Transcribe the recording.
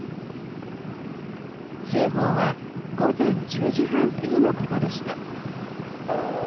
通報は午前１０時半過ぎのことでした。